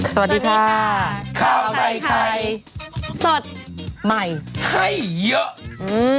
สวัสดีค่ะข้าวใส่ไข่สดใหม่ให้เยอะอืม